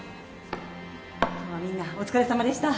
今日はみんなお疲れさまでした。